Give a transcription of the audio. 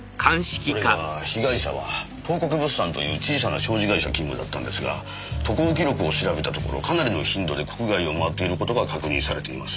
それが被害者は東国物産という小さな商事会社勤務だったんですが渡航記録を調べたところかなりの頻度で国外を回っている事が確認されています。